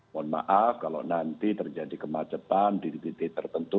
mohon maaf kalau nanti terjadi kemacetan di titik tertentu